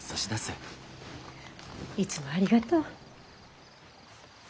いつもありがとう。